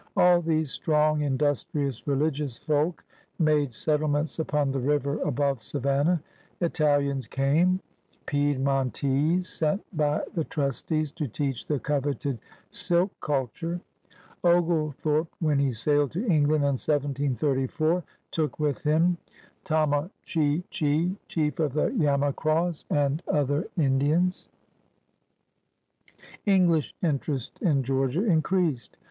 All these strong, industrious, religious folk made settlements upon the river above Savannah. Ital ians came, Piedmontese sent by the trustees to teach the coveted silk cultiu'e. Oglethorpe, when he sailed to England in 1734, took with him Tomo chi chi, chief of the Yamacraws, and other Indians. lO .842 nONEERS OP THE OLD SOUTH English interest in Georgia increased.